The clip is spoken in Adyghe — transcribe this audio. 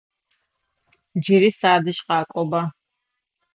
Джыри садэжь къакӏоба!